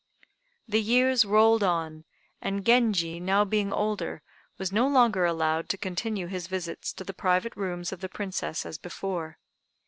The years rolled on, and Genji being now older was no longer allowed to continue his visits to the private rooms of the Princess as before.